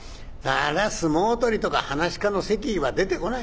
相撲取りとか噺家の席へは出てこない」。